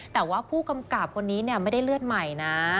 แต่ว่าผู้กำกับคนนี้ไม่ได้เลือดใหม่นะ